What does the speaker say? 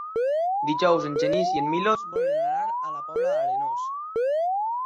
Dijous en Genís i en Milos volen anar a la Pobla d'Arenós.